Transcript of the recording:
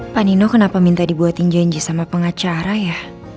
pak nino kenapa minta dibuatin janji sama pengacara ya